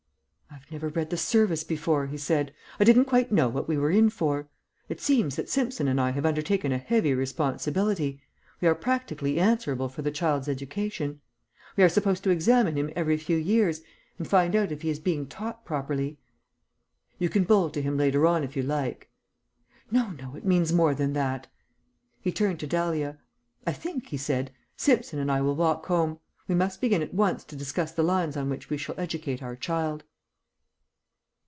"I've never read the service before," he said. "I didn't quite know what we were in for. It seems that Simpson and I have undertaken a heavy responsibility; we are practically answerable for the child's education. We are supposed to examine him every few years and find out if he is being taught properly." "You can bowl to him later on if you like." "No, no. It means more than that." He turned to Dahlia. "I think," he said, "Simpson and I will walk home. We must begin at once to discuss the lines on which we shall educate our child."